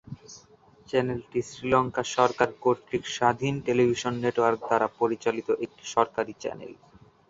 চ্যানেলটি শ্রীলঙ্কা সরকার কর্তৃক স্বাধীন টেলিভিশন নেটওয়ার্ক দ্বারা পরিচালিত একটি সরকারী চ্যানেল।